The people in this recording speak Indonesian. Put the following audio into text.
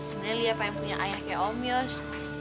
sebenernya lia pengen punya ayah kayak om yos